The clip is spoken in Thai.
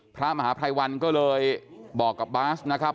พระมหาภัยวันก็เลยบอกกับบาสนะครับ